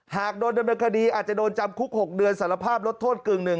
หากโดนดำเนินคดีอาจจะโดนจำคุก๖เดือนสารภาพลดโทษกึ่งหนึ่ง